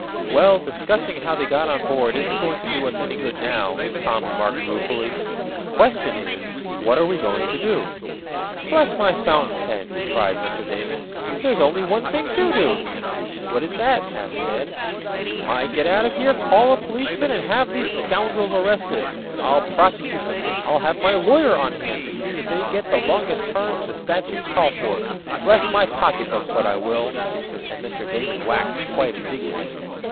"Well, discussing how they got on board isn't going to do us any good now," Tom remarked ruefully. "The question is what are we going to do?" "Bless my fountain pen!" cried Mr. Damon. "There's only one thing to do!" "What is that?" asked Ned. "Why, get out of here, call a policeman, and have these scoundrels arrested. I'll prosecute them! I'll have my lawyer on hand to see that they get the longest terms the statutes call for! Bless my pocketbook, but I will!" and Mr. Damon waxed quite indignant.